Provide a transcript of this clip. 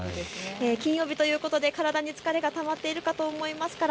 金曜日ということで体に疲れがたまっていると思います。